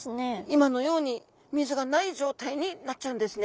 今のように水がない状態になっちゃうんですね。